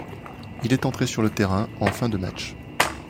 Il est entré sur le terrain en fin de match.